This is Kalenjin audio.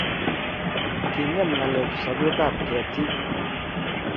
King'em ng'alechu sobet ab ketiik